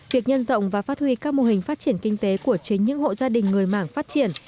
việc nhân rộng và phát huy các mô hình phát triển kinh tế của chính những hộ gia đình người mảng phát triển